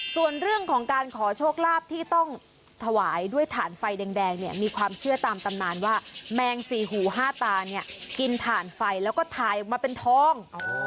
ส่วนเรื่องของการขอโชคลาภที่ต้องถวายด้วยฐานไฟแดงเนี่ยมีความเชื่อตามตำนานว่าแมงสี่หูห้าตาเนี่ยกินถ่านไฟแล้วก็ถ่ายออกมาเป็นทอง